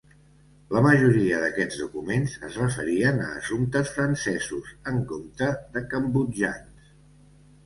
La majoria d'aquests documents es referien a assumptes francesos en compte de cambodjans.